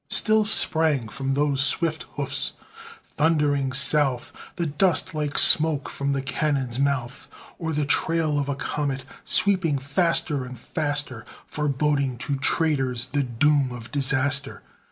Still sprang from those swift hoofs, thundering south, The dust like smoke from the cannon's mouth, Or the trail of a comet, sweeping faster and faster, Foreboding to traitors the doom of disaster.